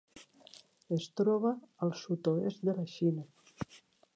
Es troba al sud-oest de la Xina.